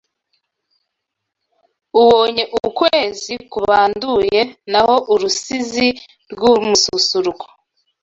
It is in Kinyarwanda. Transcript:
Ubonye ukwezi kubanduye Naho urusizi rw’umususuruko